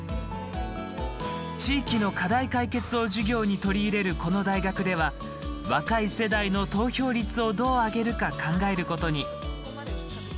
地域の課題解決を授業に取り入れるこの大学では若い世代の投票率をどう上げるか考えることに。